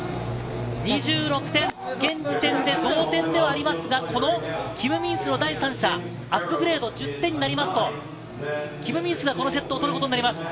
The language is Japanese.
現時点で同点ではありますが、このキム・ミンスの第３射、アップグレード、１０点になりますとキム・ミンスがこのセットを取ることになります。